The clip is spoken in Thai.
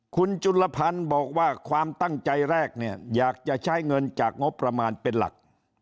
คุณจุลพันธ์บอกว่าความตั้งใจแรกเนี่ยอยากจะใช้เงินจากงบประมาณเป็นหลัก